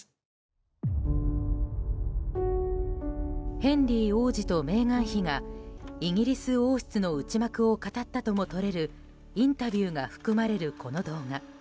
ヘンリー王子とメーガン妃がイギリス王室の内幕を語ったともとれるインタビューが含まれる、この動画。